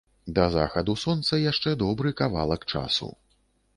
Да захаду сонца яшчэ добры кавалак часу.